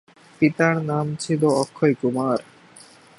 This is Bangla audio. পিতার নাম ছিল অক্ষয়কুমার।